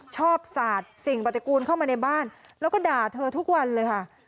สาดสิ่งปฏิกูลเข้ามาในบ้านแล้วก็ด่าเธอทุกวันเลยค่ะ